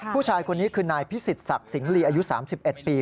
ผู้ชายคนนี้คือนายพิสิทธศักดิ์สิงหลีอายุ๓๑ปี